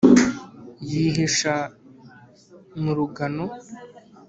yihisha mu rugano.